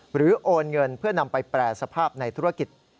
โอนเงินเพื่อนำไปแปรสภาพในธุรกิจ